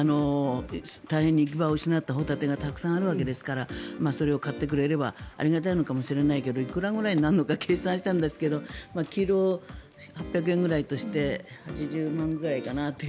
大変に行き場を失ったホタテがたくさんあるわけですからそれを買ってくれればありがたいのかもしれないけどいくらぐらいになるのか計算したんですけどキロ８００円くらいとして８０万ぐらいかなと。